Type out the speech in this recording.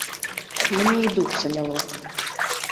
Мне і дух заняло.